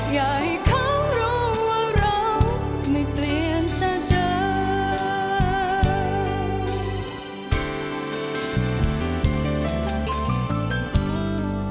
อยากให้เขารู้ว่าเราไม่เปลี่ยนจะเดิน